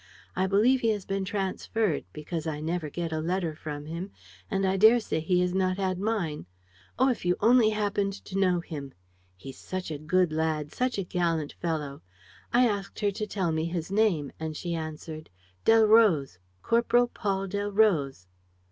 I believe he has been transferred, because I never get a letter from him; and I dare say he has not had mine. Oh, if you only happened to know him! He's such a good lad, such a gallant fellow.' I asked her to tell me his name; and she answered, 'Delroze, Corporal Paul Delroze.'"